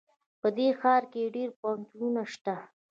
په دې ښار کې ډېر پوهنتونونه شته